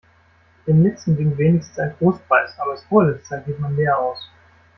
Dem Letzten winkt wenigstens ein Trostpreis, aber als Vorletzter geht man leer aus.